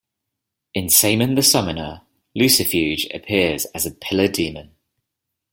In Samon the Summoner, Lucifuge appears as a pillar demon.